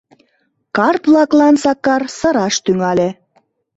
Карт-влаклан Сакар сыраш тӱҥале.